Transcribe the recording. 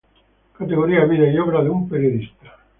Categoría Vida y Obra de un Periodista.